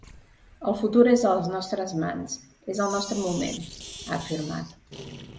El futur és a les nostres mans, és el nostre moment, ha afirmat.